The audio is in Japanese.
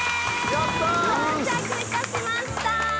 やった到着いたしました！